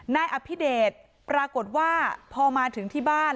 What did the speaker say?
นายอภิเดชปรากฏว่าพอมาถึงที่บ้าน